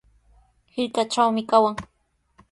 Hirkatrawmi kawan.